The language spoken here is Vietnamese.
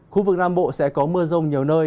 khu vực nam bộ sẽ có mưa rông nhiều nơi